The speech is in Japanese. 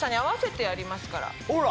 ほら。